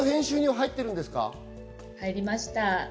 入りました。